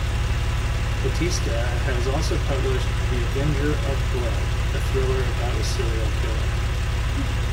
Batista has also published "The Avenger of Blood", a thriller about a serial killer.